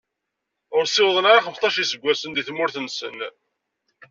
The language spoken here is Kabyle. Ur ssiwḍen ara xmesṭac n yiseggasen di tmeddurt-nsen.